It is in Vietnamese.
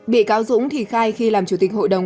bị cáo dũng thì khai khi làm chủ tịch hội đồng